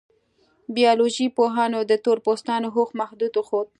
بیولوژي پوهانو د تور پوستانو هوښ محدود وښود.